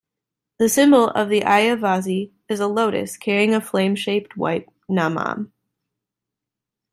The symbol of the Ayyavazhi is a lotus carrying a flame-shaped white 'Namam'.